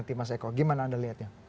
nanti mas eko bagaimana anda melihatnya